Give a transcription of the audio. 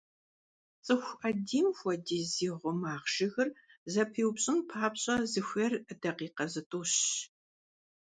ЦӀыху Ӏэдийм хуэдиз зи гъумагъ жыгыр зэпиупщӀын папщӀэ, зыхуейр дакъикъи зытӀущщ.